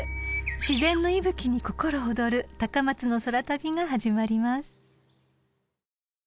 ［自然の息吹に心躍る高松の空旅が始まります］